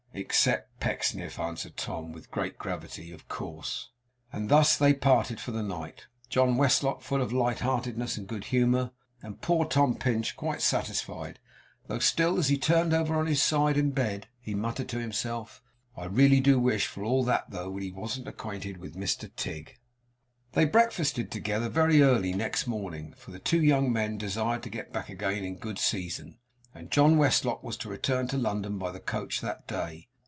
'Except Pecksniff,' answered Tom, with great gravity; 'of course.' And thus they parted for the night; John Westlock full of light heartedness and good humour, and poor Tom Pinch quite satisfied; though still, as he turned over on his side in bed, he muttered to himself, 'I really do wish, for all that, though, that he wasn't acquainted with Mr Tigg.' They breakfasted together very early next morning, for the two young men desired to get back again in good season; and John Westlock was to return to London by the coach that day.